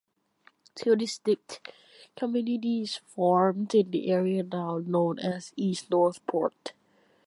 Two distinct communities formed in the area now known as East Northport.